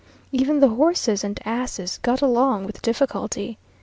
Even the horses and asses got along with difficulty.